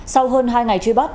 sau hơn hai ngày truy bắt